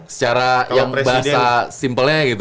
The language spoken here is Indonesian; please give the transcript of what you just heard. secara yang bahasa simple nya gitu